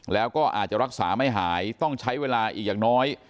แล้วก็อาจจะรักษาไม่หายต้องใช้เวลาอีกอย่างน้อย